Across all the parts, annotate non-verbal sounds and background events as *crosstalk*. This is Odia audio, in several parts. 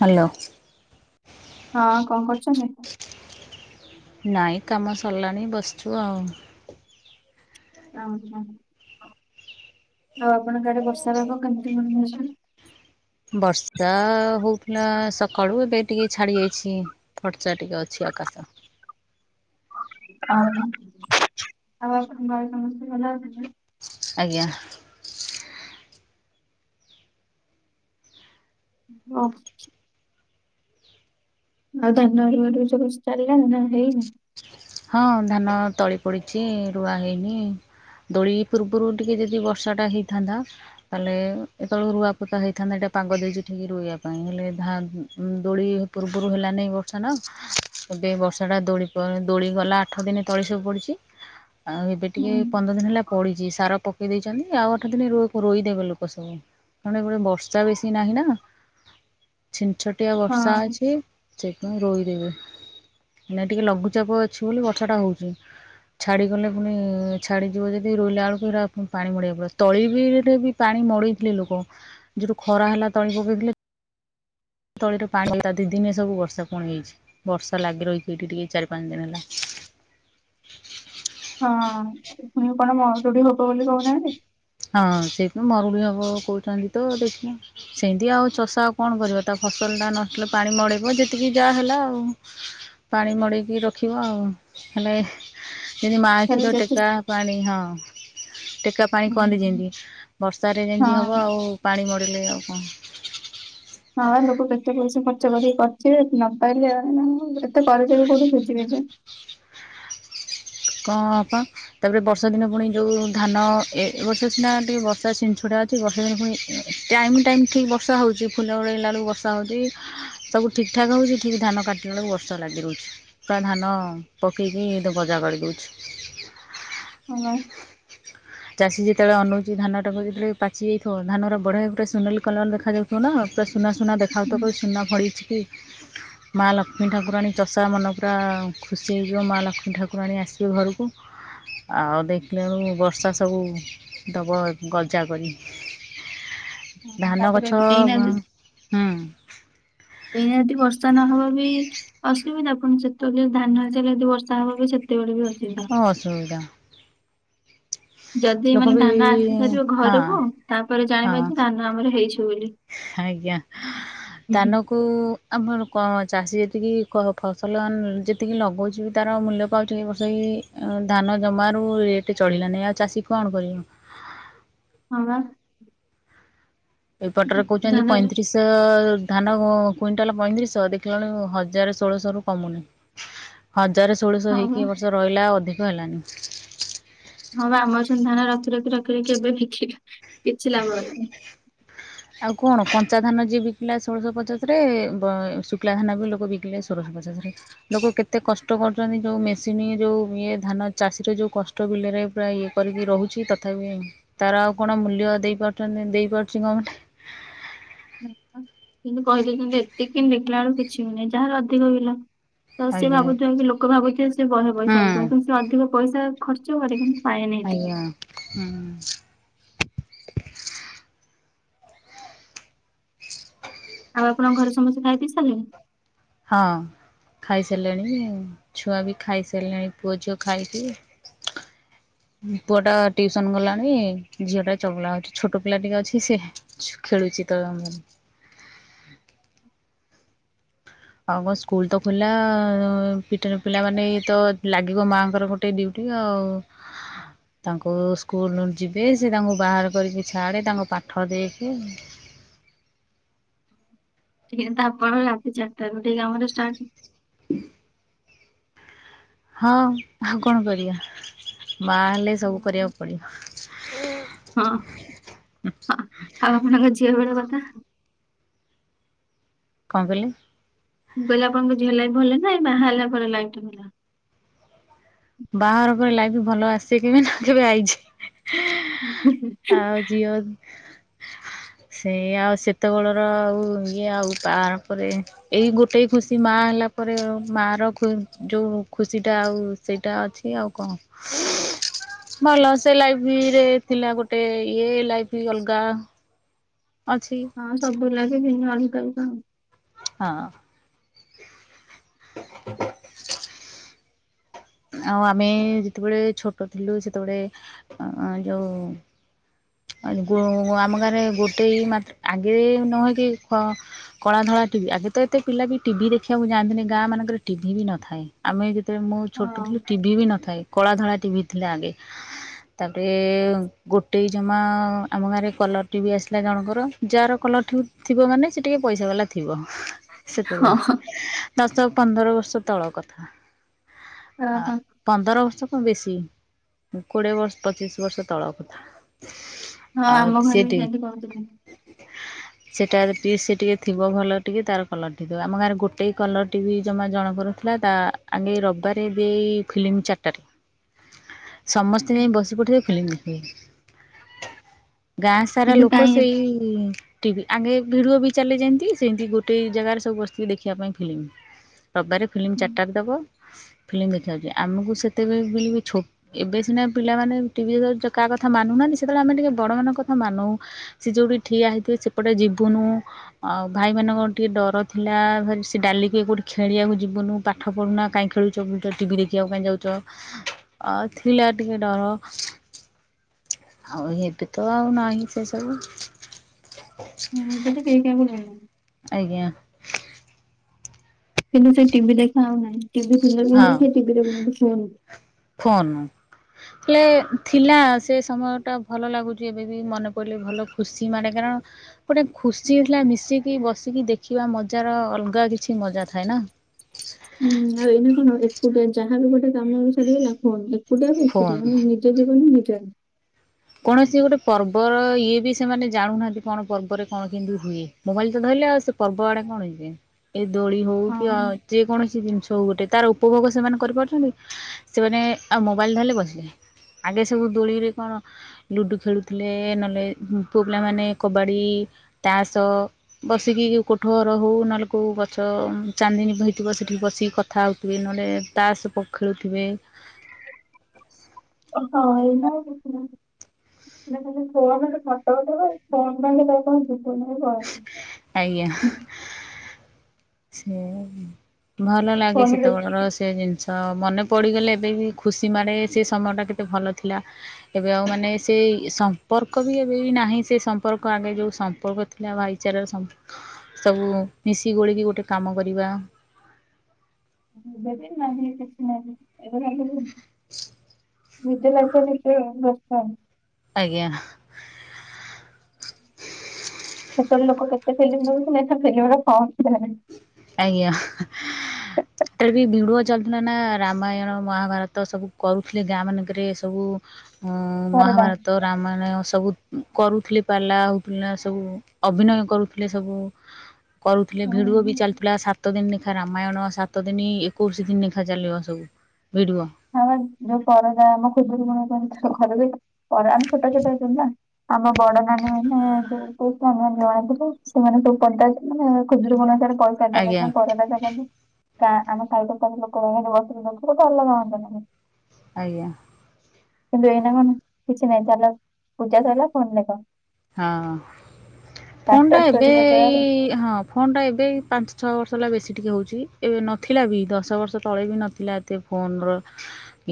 ହ୍ୟାଲୋ ହଁ କଣ କରୁଛନ୍ତି ନାଇଁ କାମ ସରିଲାଣି ବସିଛୁ ଆଉ ଓହୋ ଆଉ ଆପଣଙ୍କ କାଡେ ବର୍ଷା ଭାଗ କେମିତି ମନ ଅଛ ବର୍ଷା ହଉଥିଲା ସକାଳୁ ଏବେ ଟିକେ ଛାଡି ଯାଇଛି ଖର୍ଚା ଟିକେ ଅଛି ଆକାଶ ହ ଆଉ ଆପଣଙ୍କଙ୍କ ସମସ୍ତେ ଭଲ ହଉଛନ୍ତି ଆଜ୍ଞା ହ ଆଉ ଧାନ ଆଡଡ ସବୁ ଚାଲିଲାନଣି ନା ହେଇନି ହଁ ଧାନ ତଳି ପଡିଛି ରୁଆ ହେଇନି ଦୋଳି ପୂର୍ବରୁ ଟିକେ ଯଦି ବର୍ଷାଟା ହେଇଥାନ୍ତା ତାହେଲେ ଏତେବେଳଳେ ରୁଆପୋତା ହେଇଥାନ୍ତା ଏଟା ପାଗ ଦେଇଛିଠିକି ରୋଇବା ପାଇଁ ହେଲେ ଧ ଦୋଳି ପୂର୍ବରୁ ହେଲାନି ବର୍ଷା ନ ଏବେ ବର୍ଷାଟା ଦୋଳି ଦୋଳି ଗଲା ଆଠ ଦିନେ ତଳି ସବୁ ପଡ଼ିଛି ଆଉ ଏବେ ହୁଁ ଟିକେ ପନ୍ଦର ଦିନ ହେଲା ପଡିଛି ସାର ପ ପକେଇ ଦେଇଛନ୍ତି ଆଉ ଆଠ ଦିନ ରୋଇଦେବେ ଲୋକ ସବୁ କାରଣ ଏଟେ ବର୍ଷା ବେଶୀ ନାହିଁ ନା ଛିନ୍ ଛଟିଆ ବର୍ଷା ହଁ ଅଛି। ସେଇଥିପାଇଁ ରୋଇଦେବେ ଏହିନା ଟିକେ ଲଘୁଚାପ ଅଛି ବୋଲି ବର୍ଷା ଟା ହଉଛି। ଛାଡିଗଲେ ପୁଣି ଛାଡିଯିବ ଯଦି ରୁଇଲା ବେଳକୁ ହେରା ପାଣି ମଡେଇବାକୁ ପଡିବ। ତଳି ବି ରେ ବି ପାଣି ମଡ଼େଇଥିଲେ ଲୋକ ଯଉଠୁ ଖରା ହେଲା ତଳି ପକେଇଥିଲେ ତଳିରେ ପାଣି ଦି ଦିିନ ସବୁ ବର୍ଷା ପୁଣି ହୋଇଛି ବର୍ଷା ଲାଗି ରହିଛି ଏଇଠି ଟିକେ ଚାରି ପାଣି ଦେ ଗଲା ହଁ ପୁଣି କଣ ମରୁଡ଼ି ହେବ ବୋଲି କହୁନାହାନ୍ତି। ହଁ ସେଇଥିୁ ମରୁଡ଼ି ହବ କହୁଛନ୍ତି ତ ଦେଖିବା ସେମିତି ଆଉ ଚଷା ଆଉ କଣ କରିବ ତା ଫସଲଟା ନଷ୍ଟଲେ ପାଣି ମଡ଼େଇବ ଯେତିକି ଯାହା ହେଲା ଆଉ। ପାଣି ମଡ଼େଇକି ରଖିବ ଆଉ ହେଲେ ଯେମିତି ମା ହେଲେ କ୍ଷୀର ଯେତେ ଟେକା ପାଣି ହଁ ଟେକା ପା ହୁଁ, କୁହନ୍ତିି ଯେମିତି ବର୍ଷାରେ ହଁ ଯେମିତି ହେବ ହଁ ଆଉ ପାଣି ମଡେଇଲେ ଆଉ କଣ? ହଁ ଲୋକ କେତେ ପଇସା ଖର୍ଚ୍ଚ କରିକି କରିଥିବେ ନ ପାଇଲେ ଏତେ କରଜ ଯୁ କୋଉଠି ଶୁଜିିବେ ଯେ କ ଅପା ତାପରେ ବର୍ଷା ଦିନ ପୁଣି ଯେଉଁ ଧାନ ଏ ବର୍ଷା ସିନା ଟିକେ ବର୍ଷା ସିଞ୍ଚୁଡ଼ା ଠିକ ବର୍ଷାଲେ ପୁଣି ଟାଇମ କୁ ଟାଇମ୍ ଠିକ୍ ବର୍ଷା ହେଉଛି ଫୁଲ ବୁଳେଇଲା ବେଳକୁ ବର୍ଷା ହେଉଛି ସବୁ ଠିକ୍ ଠାକ୍ ହେଉଛି ଠିକ ଧାନ କାଟିଲା ବେଳକୁ ବର୍ଷା ଲାଗି ରହୁଛି। ପୁରା ଧାନ ପକେଇକି ଗଜା କରିଦେଉଛି। କଣ ପାଇଁ? ଚାଷୀ ଯେତେବେଳେ ଅନଉଛି ଧାନଟାକୁ ଯେତେବେଳେ ପାଚି ଯାଇଥିବ ଧାନର ବଢ଼ିଆ ପୁରା ସୁନେଲି କଲର ଦେଖାଯାଉ ଥିବ ନା ପୁରା ସୁନା ସୁନା ଦେଖାଯାଉ ଥିବ ହୁଁ, କହିବ ସୁନା ଫଳିଛି ମା ଲକ୍ଷ୍ମୀ ଠାକୁରାଣୀ ଚଷା ମନ ପୂରା ଖୁସି ହେଇଯିବ ମା ଲକ୍ଷ୍ମୀ ଠାକୁରାଣୀ ଆସିବେ ଘରକୁ ଆଉ ଦେଖିଲା ବେଳକୁ ବର୍ଷା ସବୁ ଦେବ ଗଜା କରି। ହଁ, ଧାନ ତାପରେ ଗଛ ଏଇନା ହୁଁ। ଏଇନା ଯଦି ବର୍ଷା ନହେବ ବି ଅସୁବିଧା କଣ ଯେତେବେଳେ ଧାନ ଆସିଲେ ଯଦି ବର୍ଷା ହବ ବି ସେତେବେଳେ ବି ଅସୁବିଧା। ଅସୁବିଧା ଯଦି ଲୋକ ମାନେ ବି ଧାନ ଆସି ସାରିବ ହଁ ଘରକୁ ତାପରେ ଜାଣିବା ହଁ ଯେ ଧାନ ଆମର ହେଇଛି ବୋଲି। ଆଜ୍ଞା ତା କୁ ଆମର ଚାଷୀ ଯେତିକି ଫସଲ ଯେତିକି ଲଗଉଛି ତାର ମୂଲ୍ୟ ପାଉଛ ଏଇ ବର୍ଷ ଏଇ ଧାନ ଜମାରୁ ରେଟ୍ ଚଳିଲାନି ଆଉ ଚାଷୀ କଣ କରିବ? ହଁ ବା ଏଇପଟରେ କହୁଛନ୍ତି ଧାନ ପଇଁତିରିଶି ସେ ଧାନ କୁଇଣ୍ଟାଲ ପଇଁତିରିଶହ ଦେଖିଲାବେଳକୁ ହଜାର ଷୋଳଶହ ରୁ କମୁନି। ହଜାର ଷୋଳଶହ ହଁ ବା ହେଇକି ଏ ବର୍ଷ ରହିଲା ଅଧିକ ହେଲାନି। ହଁ ବା ଆମର ସେମିତି ଧାନ ରଖି ରଖି ରଖି ରଖି ଏବେ ବିକିଲୁ କିଛି ଲାଭ ହେଲାନି। ଆଉ କଣ କଞ୍ଚା ଧାନ ଯିଏ ବିକିଲା ଷୋଳଶହ ପଚାଶରେ ଶୁଖଲା ଧାନ ବି ଲୋକ ବିକିଲେ ଷୋଳଶହ ପଚାଶରେ। ଲୋକ କେତେ କଷ୍ଟ କରୁଛନ୍ତି ଯୋଉ ମେସିନ୍ ଯୋଉ ଇଏ ଧାନ ଚାଷୀ ର ଯୋଉ କ ଷ୍ଠ ବିଲରେ ପୁରା ଇଏ କରିକି ରହୁଛି ତଥାପି ତାର ଆଉ କଣ ମୂଲ୍ୟ ଦେଇ ପାରୁଛନ୍ତି ଦେଇ ପାରୁଛି ଗମେଣ୍ଟ? କିନ୍ତୁ କହି ଦେଇଛନ୍ତି ଏତିକିି ଦେଖିଲା ବେଳକୁ କିଛି ବି ନୁହିଁ ଯାହାର ଅଧିକ ବିଲ ତ ସେ ଆଜ୍ଞା ଭାବୁଥିବା କି ଲୋକ ଭାବୁଥିବ ସେ ବହେ ହୁଁ ପଇସା ଇନକମ୍ କିନ୍ତୁ ସେ ଅଧିକ ପଇସା ଖର୍ଚ୍ଚ କରେ କିନ୍ତୁ ପାଏନି ଏତିକି। ଆଜ୍ଞା ହୁଁ। ଆଉ ଆପଣଙ୍କ ଘରେ ସମସ୍ତେ ଖାଇ ପିଇ ସାରିଲେଣି? ହଁ। ଖାଇ ସାରିଲେଣି ଛୁଆ ବି ଖାଇ ସାରିଲେଣି ପୁଅ ଝିଅ ଖାଇକି ପୁଅ ଟା ଟିୟୁସନ ଗଲାଣି ଝିଅଟା ଚଗଲା ହଉଛି ଛୋଟ ପିଲା ଟିକେ ଅଛି ସିଏ ଖେଳୁଚି ତ। ଆଉ କଣ ସ୍କୁଲ ତ ଖୋଲା *unintelligible* ପିଲାମାନେ ତ ଲାଗିବ ମାଆଙ୍କର ଗୋଟେ ଡ୍ୟୁଟି ଆଉ ହଁ। ତାଙ୍କୁ ସ୍କୁଲ ଯିବେ ସେ ତାଙ୍କୁ ବାହାର କରିକି ଛାଡ଼େ ତାଙ୍କ ପାଠ ଦେଖେ ତେବେ ତ ଆପଣ ରାତି ଚାରିଟାରୁ ଉଠିକି କାମରେ ଷ୍ଟାର୍ଟ *inaudible* ହଁ ଆଉ କଣ କରିବା, ମା ହେଲେ ସବୁ କରିବାକୁ ପଡ଼ିବ। ହଁ-ହଁ ଆଉ ଆପଣଙ୍କ ଝିଅବେଳ କଥା କଣ କହିଲେ? ମୁଁ କହିଲେ ଆପଣଙ୍କ ଝିଅ ଲାଇଫ୍ ଭଲ ନା ଏଇ ବାହାହେଲା ପରେ ଲାଇଫ୍ ଟି ଭଲ? ବାହାଘର ପରେ ଲାଇଫ୍ ଭଲ ଆସେ କେବେ ନା କେବେ ଆଇଛି *inaudible* *unintelligible* ସେ ଆଉ ସେତେବେଳର ଆଉ ଇଏ ଆଉ *unintelligible* ପରେ ଏଇ ଗୋଟେ ଖୁସି ମା ହେଲା ପରେ ମା ର ଯୋଉ ଖୁସି ଟା ଆଉ ସେଇଟା ଅଛି ଆଉ କଣ। ଭଲ ସେ ଲାଇଫେରେ ଥିଲା ଗୋଟେ ଇଏ ଲାଇଫ ଅଲଗା ଅଛି ହଁ ସବୁ ସେମତି ଲାଗେ ଭିନ୍ନ *unintelligible* ହଁ। *inaudible* ଆଉ ଆମେ ଯେତେବେଳେ ଛୋଟ ଥିଲୁ ସେତେବେଳେ ଅଁ ଯୋଉ ଗୋ ଆମ ଗାଁରେ ଗୋଟେ ମାତ ଆଗେ ନହେ କି କଳା ଧଳା ଟିଭି ଆଗେ ତ ଏତେ ପିଲା ବି ଟିଭି ଦେଖିବାକୁ ଯାଆନ୍ତିନି ଗାଁ ମାନଙ୍କରେ ଟିଭି ବି ନଥାଏ ଆମେ ଯେତେବେ ଛୋଟ ଆଉ। ଥିଲୁ ଟିଭି ବି ନଥାଏ, କଳା ଧଳା ଟିଭି ଥିଲା ଆଗେ। ତାପରେ ଗୋଟେ ଜମା ଆମ ଗାଁରେ କଲର୍ ଟିଭି ଆସିଲା ଜଣଙ୍କର। ଯା ର କଲର୍ ଟିଭି ଥିବ ମାନେ ସେ ଟିକେ ପଇସା ବାଲା ଥିବ। ହଁ ହଁ ସେତେବେଳେ ଦଶ ପନ୍ଦର ବର୍ଷ ତଳ କଥା। ହଁ। ପନ୍ଦର ବର୍ଷ କଣ ବେଶୀ କୋଡ଼ିଏ ବର୍ଷ ପଚିଶ ବର୍ଷ ତଳର କଥା। ଆଉ ଆମ ଘରେ ବି ସେଟି ସେମିତି କହୁଥିଲେ। ସେଟା ସେ ଟିକେ ଥିବ ଭଲ ଟିକେ ତାର କଲର୍ ଟିଭି ଥିବ, ଆମ ଗାଁରେ ଗୋଟେ କଲର୍ ଟିଭି ଜମା ଜଣଙ୍କର ଥିଲା ତା ଆଗେ ରବି ବାରେ ଦିଏଇ ଫିଲ୍ମ ଚାରିଟାରେ ସମସ୍ତେ ହୁଁ। ଯାଇ ବସି ପଡ଼ିଥିବେ ଫିଲ୍ମ ଗାଁ ସାରା କିନ୍ତୁ ଲୋକ କାଇଁ ଏବେ ସେଇ ଟିଭି ଆଗେ ଭିଡୁଓ ବି ଚାଲେ ଯେନ୍ତି, ସେନ୍ତି ଗୋଟେ ଜାଗାରେ ସବୁ ବସିଥିବେ ଦେଖିବା ପାଇଁ ଫିଲିମ୍। ରବାରେ ଫିଲ୍ମ ଚାରିଟାରେ ହୁଁ, ଦେବ ଫିଲ୍ମ ଦେଖିବାକୁ ଯିବେ, ଆମକୁ ସେତେବେଳେ ବି ଛୋ ଏବେ ସିନା ପିଲାମାନେ ଟିଭି ଦେଖା କାହା କଥା ମାନୁନାହାଁନ୍ତି, ସେତେବେଳେ ଆମେ ଟିକେ ବଡ ମାନଙ୍କ କଥା ମାନଉ। ସିଏ ଯୋଉଠି ଠିଆ ହେଇଥିବେ ସେପଟେ ଯିବୁନୁ। ଆଉ ଭାଇମାନଙ୍କର ଟିକେ ଡର ଥିଲା ସେ ଡାଲିକୁ କୋଉଠି ଖେଳିବାକୁ ଯିବୁନୁ ପାଠ ପଢୁନା କାହିଁକି ଖେଳୁଛ ବୁଲୁଛ ଟିଭି ଦେଖିବାକୁ କାଇଁ ଯାଉଚ ଅ ଥିଲା ଟିକେ ଡର। ଆଉ ଏବେ ତ ଆଉ ନାହିଁ ସେସବୁ। ହଁ ଏବେ ତ କେହି କାହାକୁ ଡରୁନାହାନ୍ତି। ଆଜ୍ଞା। କିନ୍ତୁ ସେ ଟିଭି ଦେଖା ଆଉ ନାହିଁ, ଟିଭି ଥିଲେ ବି ହଁ ଘରେ କିଏ ଟିଭି ଦେଖୁନାହାନ୍ତି ଫୋନ୍। ଫୋନ୍। ହେଲେ ଥିଲା ସେ ସମୟଟା ଭଲ ଲାଗୁଚି ଏବେବି ମନେ ପଡ଼ିଲେ ଭଲ ଖୁସି ମାଡେ କାରଣ ଗୋଟେ ଖୁସିଥିଲା ମିଶିକି ବସିକି ଦେଖିବା ମଜାର ଅଲଗା କିଛି ମଜା ଥାଏ ନା। ହୁଁ ଆଉ ଏଇନା କଣ ଏକୁଟିଆ ଯାହାବି ଗୋଟେ କାମ ସରିଗଲା ଫୋନ ଏକୁଟିଆ ଯେ ଏକୁଟିଆ ଫୋନ୍ ମାନେ ନି ନିଜ ଜୀବନ ନିଜର। କୌଣସି ଗୋଟେ ପର୍ବର ଇଏ ବି ସେମାନେ ଜାଣୁନାହାନ୍ତି କଣ ପର୍ବରେ କଣ କେମିତି ହୁଏ। ମୋବାଇଲ ତ ଧଇଲେ ଆଉ ସେ ପର୍ବ ଆଡେ କଣ ଯିବେ ଏଇ ଦୋଳି ହୋଉ କି ହଁ। ଅ ଯେ କୌଣସି ଜିନଷ ହୋଉ ଗୋଟେ ତାର ଉପଭୋଗ ସେମାନେ କରିପାରୁଛନ୍ତି କି ସେମାନେ ଆଉ ମୋବାଇଲ୍ ଧଇଲେ ବସିଲେ। ଆଗେ ସବୁ ଦୋଳିରେ କଣ ଲୁଡ଼ୁ ଖେଳୁଥିଲେ ନହେଲେ ପୁଅ ପିଲାମାନେ କବାଡ଼ି ତାସ ବସିକି ଯୋଉ କୋଠଘର ହୋଉ ନହେଲେ କୋଉ ଗଛ ଚାନ୍ଦିନୀ ହେଇଥିବ ସେଠି ବସିକି କ କଥା ହୋଉଥିବେ ନହେଲେ ତାସ ପ ଖେଳୁଥିବେ। ଅ ହଁ ଏଇନା ଆଉ କିଛି ନାଇଁ। ଏନା ଖାଲା ଫୋନରେ ଫୋଟ ଉଠେଇବେ ଫୋନ ଧଇଲେ *unintelligible* ଆଜ୍ଞା। ସେ ଭଲଲାଗେ ଫୋନ୍ ସେତେବେଳେର ଦେଖିକି ସେ ସେ ଜିନିିଷ ମନେ ପଡ଼ିଗଲେ ଏବେ ବି ଖୁସି ମାଡ଼େ ସେ ସମୟଟା କେତେ ଭଲଥିଲା। ଏବେ ଆଉ ମାନେ ସେଇ ସମ୍ପର୍କ ବି ଏବେ ବି ନାହିଁ ସେ ସମ୍ପର୍କ ଆଗେ ଯୋଉ ସମ୍ପର୍କ ଥି ଲା ଭାଇଚାରାର ସମ୍ ସବୁ ମିଶି ଗୋଳିକି ଗୋଟେ କାମ କରିବା। ଏବେ ବି ନାହିଁ କିଛି ନାହିଁ ଏବେ *unintelligible* ନିଜ ଲାଇଫଟା ନେଇକି ବ୍ୟସ୍ତ। ଆଜ୍ଞା। ହେତୋବେଳେ ଲୋକ କେତେ ଫିଲ୍ମ ଦେଖୁଥିଲେ ଏଥର ଫିଲ୍ମର ଫ ଅକ୍ଷର ନାହିଁ। ଆଜ୍ଞା। ହେତଳେ ବି ଭିଡୁଅ ଚାଲୁଥୁଲା ନା ରାମାୟଣ, ମହାଭାରତ ସବୁ କରୁଥୁଲେ ଗାଁ ମାନଙ୍କରେ ସବୁ ଉଁ ପରଦା ମହାଭାରତ, ରାମାୟଣ ସବୁ କରୁଥୁଲି ପାଲା ହୋଉଥୁଲା ନା ସବୁ। ଅଭିନୟ କରୁଥୁଲେ ସବୁ କରୁଥୁଲେ ଭିଡୁଅ ବି ଚାଲ ସାତ ଦିନ ନେଖା ରାମାୟଣ ସାତ ଦିନି ଏକୋଇରିଶି ଦିନ ନେଖା ଚାଲିବ ସବୁ ଭିଡ଼ୁଅ। ହଁ ଯୋଉ ପରଦା ଆମ ଖୁଦୁରୁକୁଣୀ ଓଷା *unintelligible* କରୁ ଯେ କରୁ ଆମେ ଛୋଟ ଛୋଟ ହୋଇଥିଲୁନା। ଆମ ବଡ ନାନୀ ଆମ ବୋଉ କୋହୁଥିଲେ ଆମ ନୂଆ ଘରୁ ସେମାନେ ସବୁ କରଦେଇଥିଲେ ଖୁଦୁରୁକୁଣୀ ଓଷାରେ ପଇସ *unintelligible* ଆଜ୍ଞା ଗାଁ ଆମ ସାଇ ତ ସବୁ ଲୋକ ବାକ ବସରେ *unintelligible* ଆଜ୍ଞା। କିନ୍ତୁ ଏଇନା କଣ କିଛି ନାଇଁ ଚାଲ ପୂଜା ସରିଲା ଫୋନ୍ ଦେଖ। ହଁ ଟାଟା ଫୋନଟା ଏବେ ଷ୍ଟୋରି ପକେଇବାରେ ଏଇ ହଁ ଫୋନଟା ଏବେ ଏଇ ପାଞ୍ଚଛଅ ବର୍ଷ ହେଲା ବେଶୀ ଟିକେ ହୋଉଚି ଏବେ ନଥିଲା ବି ଦଶ ବର୍ଷ ତଳେ ବି ନଥିଲା। ଏତେ ଫୋନର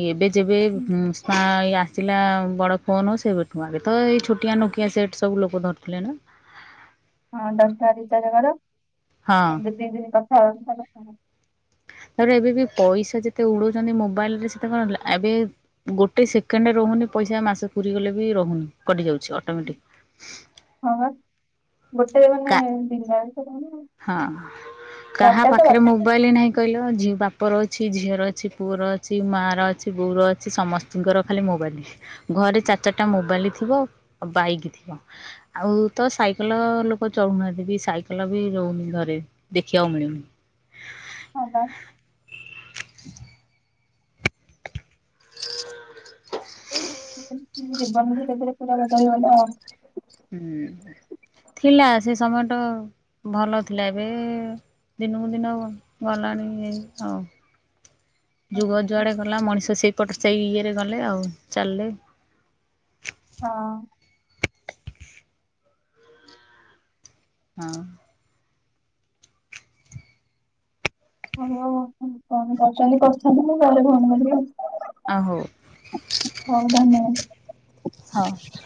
ଏଇ ଏବେ ଯେବେ ଏ ଉଁ ସ୍ପା ଏ ଆ ଆସିଲା ବଡ଼ ଫୋନ ସେବେଠୁ ଆଗେ ତ ଏଇ ଛୋଟିଆ ନୋକିଆ ସେଟ୍ ସବୁ ଲୋକ ଧରୁଥୁଲେ ନା। ହଁ ଦଶଟା ରିଚାର୍ଜ କର ଆ ହଁ ଦିତିନ ଦିନ କଥା ହ *unintelligible* ତାପରେ ଏବେ ବି ପଇସା ଯେତେ ଉଡୋଉଚନ୍ତି ମୋବାଇଲରେ ସେତେ କଣ ଏବେ ଗୋଟେ ସେକେଣ୍ଡର ରହୁନି ପଇସା ମାସ ପୁରିଗଲେ ବି ରହୁନି କଟି ଯାଉଚି ଅଟୋମେଟିକ। ହଁପା ଗୋଟେ ମାନେ କା ଦିନରେ ସେ କାମ। ହଁ କାହା ପାଖରେ ମୁଁ ମୋବାଇଲି ନାହିଁ କହିଲ ଝି ବାପର ଅଛି, ଝିଅର ଅଛି, ପୁଅର ଅଛି, ମାଆର ଅଛି, ବୋଉର ଅଛି, ସମସ୍ ଙ୍କର ଖାଲି ମୋବାଇଲି ଘରେ ଚାରିଚାରିଟା ମୋବାଇଲ ଥିବ ଆଉ ବାଇକ୍ ଥିବ। ଆଉ ତ ସାଇକେଲ ଲୋକ ଚଳୁନାହାନ୍ତି ବି ସାଇକେଲ ବି ରହୁନି ଘରେ ଦେଖିବାକୁ ମିଳୁନି। ହଁପା। ଜୀବନ ବି ଦେଖୁନ ପୁରା ବଦଳି ଗଲା। ହୁଁ ଥିଲା ସେ ସମୟ ଟ ଭଲଥିଲା ଏବେ ଦିନକୁ ଦିନ ଗଲାଣି ଏଇ ଆଉ। ଯୁଗ ଯୁଆଡେ ଗଲା ମଣିଷ ସେଇପଟ ସେଇ ଇଏରେ ଗଲେ ଆଉ ଚାଲିଲେ। ହଁ। ହଁ। ହଁ ହଉ କଣ କରଛନ୍ତି କରୁଥାନ୍ତୁ। ମୁଁ ଗଲେ ଫୋନ୍ କରିବି ଆଉ। ଆଉ ହଉ ହଉ ହଉ। ଧନ୍ୟବାଦ।